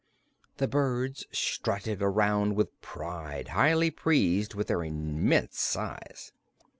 The birds strutted around with pride, highly pleased with their immense size.